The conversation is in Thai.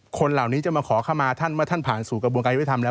คนเหล่านี้จะมาขอเข้ามาท่านเมื่อท่านผ่านสู่กระบวนการยุทธรรมแล้ว